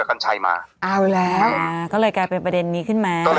อะไรนะหนุ่มบอกว่าไงนะ